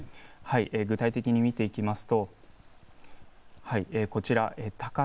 具体的に見ていきます。